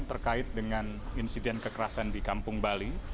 terkait dengan insiden kekerasan di kampung bali